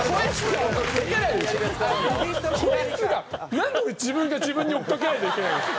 なんで俺自分が自分に追いかけられないといけないんですか。